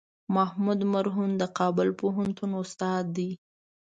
محمود مرهون د کابل پوهنتون استاد دی.